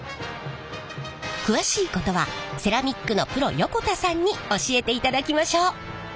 詳しいことはセラミックのプロ横田さんに教えていただきましょう。